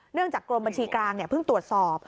จากกรมบัญชีกลางเพิ่งตรวจสอบ